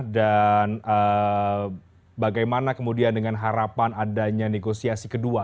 dan bagaimana kemudian dengan harapan adanya negosiasi kedua